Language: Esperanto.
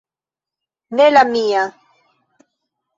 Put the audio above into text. Ne la mia...